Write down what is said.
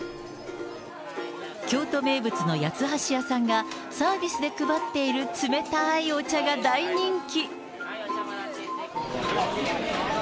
京都名物の八つ橋屋さんがサービスで配っている冷たいお茶が大人気。